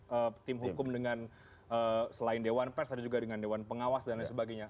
ada pertemuan kan yang dilakukan oleh tim hukum dengan selain dewan pers ada juga dengan dewan pengawas dan lain sebagainya